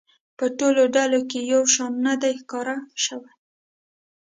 په ټولو ډلو کې یو شان نه دی ښکاره شوی.